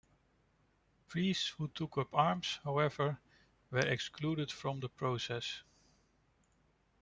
Priests who took up arms, however, were excluded from the process.